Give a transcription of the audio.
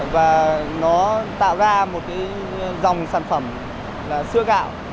và nó tạo ra một cái dòng sản phẩm là sữa gạo